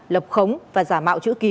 lập khống và giả mạo chữ ký